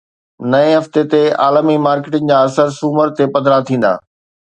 نئين هفتي تي عالمي مارڪيٽن جا اثر سومر تي پڌرا ٿيندا